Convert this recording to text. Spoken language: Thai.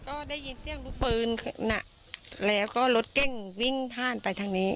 ก็ได้ยินเสียงลูกปืนหนักแล้วก็รถเก้งวิ่งผ่านไปทางนี้